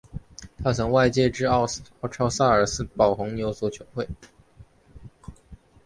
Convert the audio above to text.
他曾外借至奥超萨尔斯堡红牛足球会。